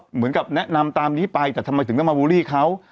เหมือนกับแนะนำตามนี้ไปแต่ทำไมถึงต้องมาบูลลี่เขา